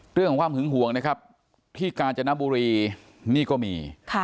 เรื่องของความหึงหวงที่กาจนบุรีมาก็มี